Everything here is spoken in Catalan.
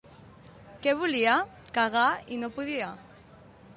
Què volia? —Cagar, i no podia.